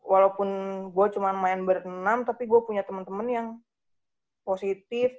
walaupun gue cuma main berenam tapi gue punya teman teman yang positif